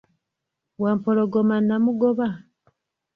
Wampologoma namugoba.